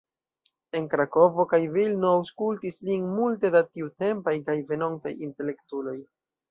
En Krakovo kaj Vilno aŭskultis lin multe da tiutempaj kaj venontaj intelektuloj.